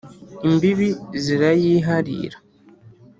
Imbibi zirayiharira